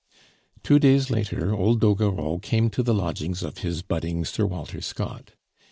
Two days later old Doguereau come to the lodgings of his budding Sir Walter Scott.